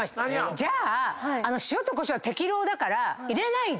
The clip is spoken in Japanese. じゃあ塩とこしょうは適量だから入れないで。